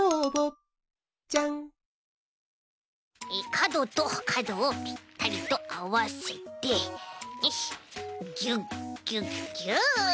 かどとかどをぴったりとあわせてよしギュッギュッギュッ。